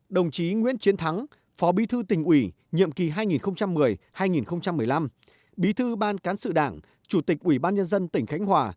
đồng chí nguyễn chiến thắng phó bí thư tỉnh ủy nhiệm kỳ hai nghìn một mươi hai nghìn một mươi năm bí thư ban cán sự đảng chủ tịch ủy ban nhân dân tỉnh khánh hòa